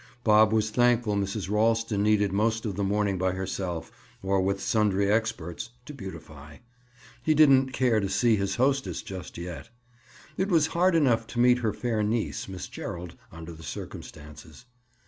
Bob was thankful Mrs. Ralston needed most of the morning by herself, or with sundry experts, to beautify; he didn't care to see his hostess just yet. It was hard enough to meet her fair niece, Miss Gerald, under the circumstances.